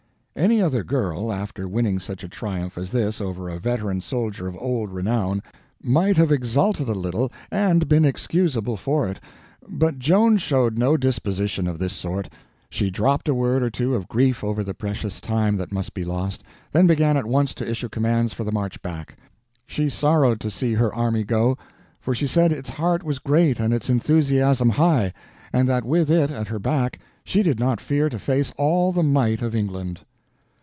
Any other girl, after winning such a triumph as this over a veteran soldier of old renown, might have exulted a little and been excusable for it, but Joan showed no disposition of this sort. She dropped a word or two of grief over the precious time that must be lost, then began at once to issue commands for the march back. She sorrowed to see her army go; for she said its heart was great and its enthusiasm high, and that with it at her back she did not fear to face all the might of England.